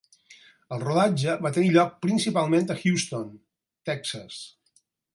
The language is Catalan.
El rodatge va tenir lloc principalment a Houston, Texas.